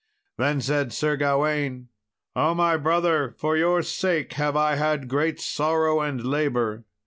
Then said Sir Gawain, "O my brother, for your sake have I had great sorrow and labour!